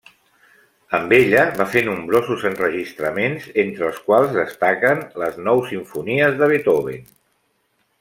Amb ella va fer nombrosos enregistraments, entre els quals destaquen les nou simfonies de Beethoven.